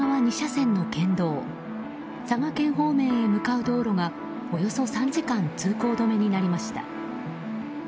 佐賀県方向へ向かう道路がおよそ３時間通行止めになりました。